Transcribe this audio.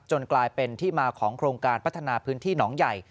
กลายเป็นที่มาของโครงการพัฒนาพื้นที่หนองใหญ่